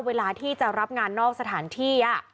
เวลาที่จะรับงานนอกสถานที่